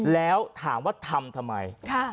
แล้วถามว่าทำทำไม